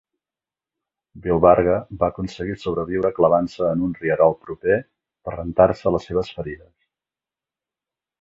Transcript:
Wilbarger va aconseguir sobreviure clavant-se en un rierol proper per rentar-se les seves ferides.